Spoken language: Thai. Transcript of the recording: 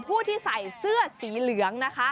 ผู้ที่ใส่เสื้อสีเหลืองนะคะ